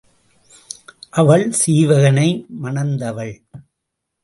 அவள் சீவகனை மணந்தவள்.